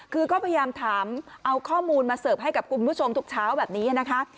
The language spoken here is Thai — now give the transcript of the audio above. คือก็พยายามถามเอาข้อมูลมาเสิร์ฟให้กับคุณผู้ชมทุกเช้าแบบนี้นะคะ